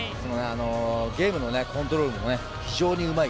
ゲームのコントロールも非常にうまい。